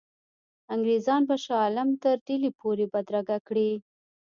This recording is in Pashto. انګرېزان به شاه عالم تر ډهلي پوري بدرګه کړي.